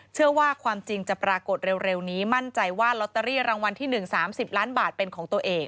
เชื่อว่าความจริงจะปรากฏเร็วนี้มั่นใจว่าลอตเตอรี่รางวัลที่หนึ่งสามสิบล้านบาทเป็นของตัวเอง